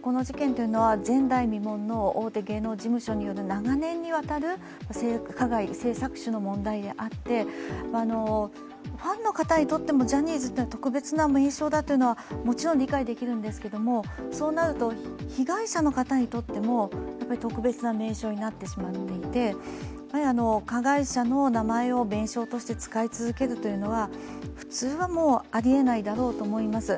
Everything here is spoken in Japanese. この事件というのは前代未聞の大手芸能事務所による長年にわたる性加害、性搾取の問題であってファンの方にとってもジャニーズというのは特別な名称だというのはもちろん理解できるんですけど、そうなると、被害者の方にとっても特別な名称になってしまっていて、加害者の名前を名称として使い続けるというのは普通はありえないだろうと思います。